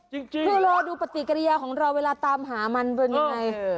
จริงคือรอดูปฏิกิริยาของเราเวลาตามหามันเป็นยังไง